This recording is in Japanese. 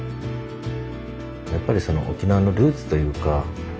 やっぱりその沖縄のルーツというか。